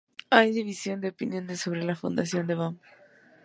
Hay división de opiniones sobre la fundación de Bam.